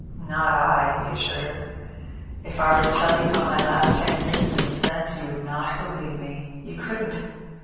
"Not I," he assured her. "If I were to tell you how my last ten years have been spent, you would not believe me. You couldn't.